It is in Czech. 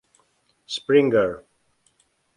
Springer.